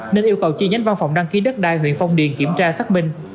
nên yêu cầu chi nhánh văn phòng đăng ký đất đai huyện phong điền kiểm tra xác minh